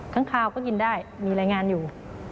ข้างคาวก็กินได้มีรายงานอยู่